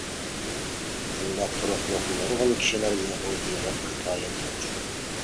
شۇنداق تۇرۇقلۇق نۇرغۇن كىشىلەر يەھۇدىيغا ئىنتايىن ئۆچ.